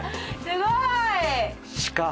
すごい！